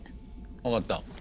分かった。